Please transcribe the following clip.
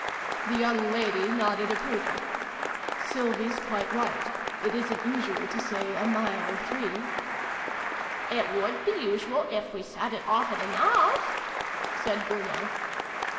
The young lady nodded approval. " Sylvie's quite right. It isn't usual to say ' a mile or three: "" It would be usual if we said it often enough," said Bruno.